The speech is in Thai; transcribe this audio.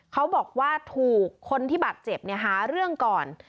เขาบอกว่าถูกคนที่บาดเจ็บหาเรื่องก่อน